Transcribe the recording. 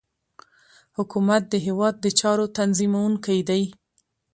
حکومت د هیواد د چارو تنظیمونکی دی